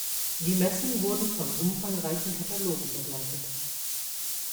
Die Messen wurden von umfangreichen Katalogen begleitet.